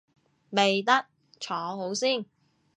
未得，坐好先